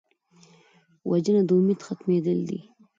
وژنه د امید ختمېدل دي